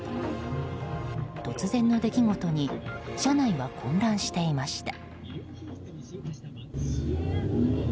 突然の出来事に車内は混乱していました。